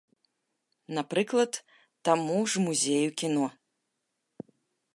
Напрыклад, таму ж музею кіно.